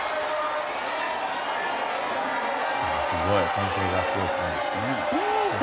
歓声がすごいですね。